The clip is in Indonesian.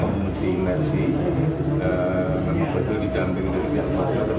yang dimutimasi memang betul di jambing dari pihak keluarga pengemudi